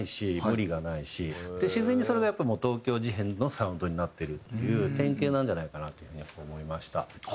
自然にそれがやっぱ東京事変のサウンドになってるっていう典型なんじゃないかなっていう風に思いました。